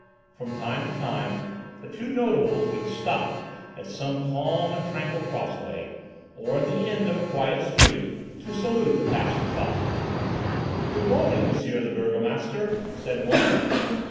From time to time the two notables would stop at some calm and tranquil crossway, or at the end of a quiet street, to salute the passers by. "Good morning, Monsieur the burgomaster," said one.